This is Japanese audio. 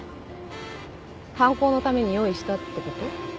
犯行のために用意したって事？